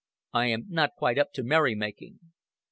"I am not quite up to merry making."